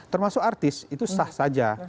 termasuk artis itu sah saja